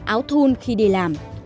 áo thun khi đi làm